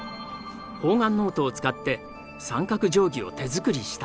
方眼ノートを使って三角定規を手作りした。